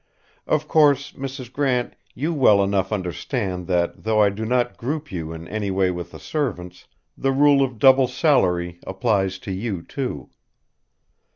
Of course, Mrs. Grant, you well enough understand that though I do not group you in any way with the servants, the rule of double salary applies to you too."